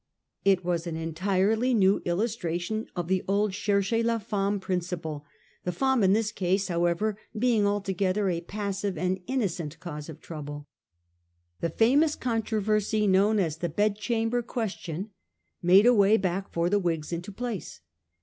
It was an entirely new illustra tion of the old cherches la femme principle, the femme in this case, however, being altogether a passive and innocent cause of trouble. The famous controversy known as the 'Bedchamber Question' made a way back for the Whigs into place.